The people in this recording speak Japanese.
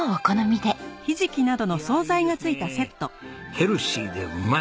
ヘルシーでうまい！